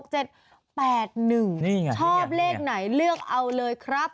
ชอบเลขไหนเลือกเอาเลยครับ